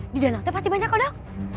di danau aku pasti banyak kodok